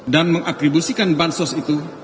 dan mengakribusikan bansos itu